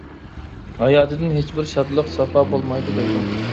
ھاياتىدىن ھېچبىر شادلىق، ساپا بولمايدۇ دەيدۇ.